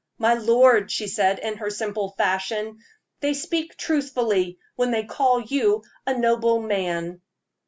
"My lord," she said, in her simple fashion, "they speak truthfully when they call you a noble man."